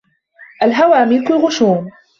الْهَوَى مَلِكٌ غَشُومٌ